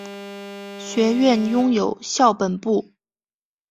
学院拥有校本部。